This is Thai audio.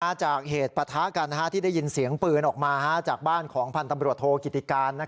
มาจากเหตุประทะกันที่ได้ยินเสียงปืนออกมาจากบ้านของพันธ์ตำรวจโทกิติการ